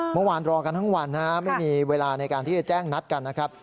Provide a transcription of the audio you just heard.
เมื่อวานรอกันทั้งวันไม่มีเวลาในการที่จะแจ้งนัดกันนะครับ